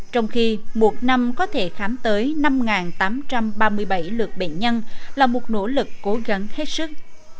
trong khi một năm có thể khám tới năm tám trăm ba mươi bảy lượt bệnh nhân là một nỗ lực cố gắng hết sức